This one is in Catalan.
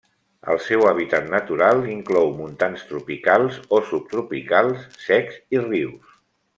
El seu hàbitat natural inclou montans tropicals o subtropicals secs i rius.